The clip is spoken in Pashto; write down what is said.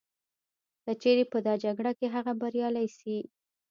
که چیري په دا جګړه کي هغه بریالی سي